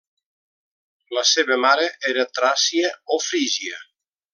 La seva mare era tràcia o frígia.